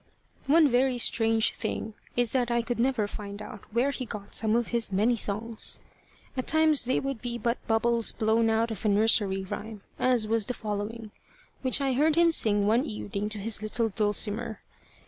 One very strange thing is that I could never find out where he got some of his many songs. At times they would be but bubbles blown out of a nursery rhyme, as was the following, which I heard him sing one evening to his little Dulcimer.